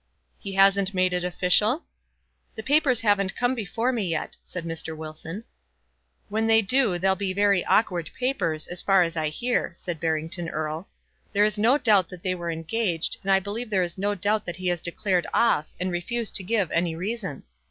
"He hasn't made it official?" "The papers haven't come before me yet," said Mr. Wilson. "When they do they'll be very awkward papers, as far as I hear," said Barrington Erle. "There is no doubt they were engaged, and I believe there is no doubt that he has declared off, and refused to give any reason."